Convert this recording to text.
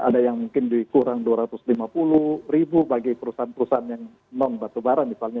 ada yang mungkin dikurang dua ratus lima puluh ribu bagi perusahaan perusahaan yang non batubara misalnya